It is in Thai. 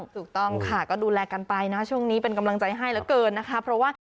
ถูกต้องค่ะก็ดูแลกันไปนะช่วงนี้เป็นกำลังใจให้เหลือเกินนะคะเพราะว่า